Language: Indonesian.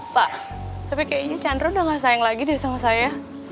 pak tapi kayaknya chandra udah gak sayang lagi deh sama saya